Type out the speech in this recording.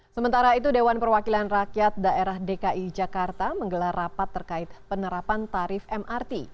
sementara itu dewan perwakilan rakyat daerah dki jakarta menggelar rapat terkait penerapan tarif mrt